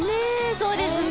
そうですね。